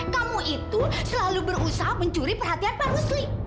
kamu itu selalu berusaha mencuri perhatian pak rusli